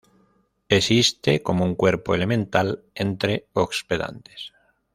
Existe como un cuerpo elemental entre hospedantes.